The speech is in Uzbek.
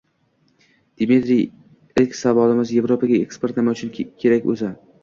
— Dmitriy ilk savolimiz: Yevropaga eksport nima uchun kerak o‘zi?